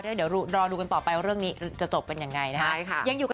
เดี๋ยวรอดูกันต่อไปว่าเรื่องนี้จะจบกันยังไงนะฮะ